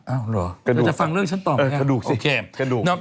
อ้าวเหรอจะฟังเรื่องฉันต่อไหมครับเออขนดูกสิขนดูก